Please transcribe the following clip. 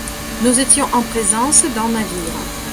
Nous étions en présence d’un navire.